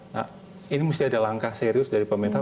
nah ini mesti ada langkah serius dari pemerintah